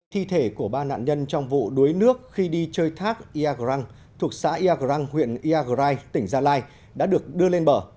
thi thể của ba nạn nhân trong vụ đuối nước khi đi chơi thác iagrang thuộc xã iagrang huyện iagrai tỉnh gia lai đã được đưa lên bờ